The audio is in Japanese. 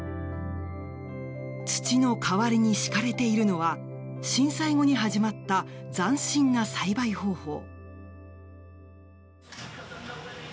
土の代わりに敷かれているのは震災後に始まった斬新な栽培方法。